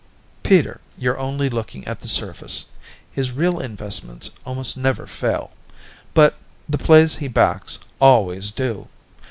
"Peter, you're only looking at the surface. His real investments almost never fail. But the plays he backs always do.